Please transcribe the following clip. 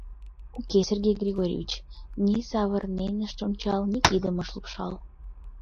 Уке, Сергей Григорьевич ни савырнен ыш ончал, ни кидым ыш лупшал.